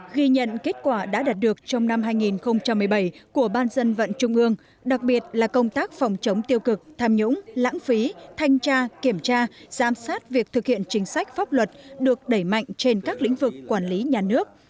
ghi nhận kết quả đã đạt được trong năm hai nghìn một mươi bảy của ban dân vận trung ương đặc biệt là công tác phòng chống tiêu cực tham nhũng lãng phí thanh tra kiểm tra giám sát việc thực hiện chính sách pháp luật được đẩy mạnh trên các lĩnh vực quản lý nhà nước